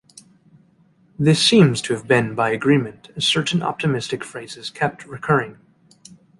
This seems to have been by agreement, as certain optimistic phrases kept recurring.